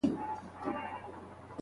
چي پخپله ځان ګمراه کړي او احتیاج سي